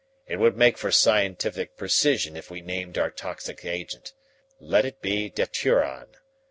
"It would make for scientific precision if we named our toxic agent. Let it be daturon.